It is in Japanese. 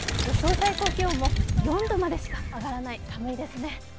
最高気温も４度までしか上がらず、寒いですね。